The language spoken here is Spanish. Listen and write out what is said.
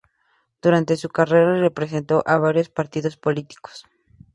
Durante su carrera representó a varios partidos políticos.